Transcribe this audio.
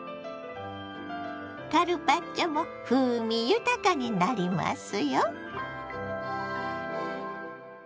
カルパッチョも風味豊かになりますよ。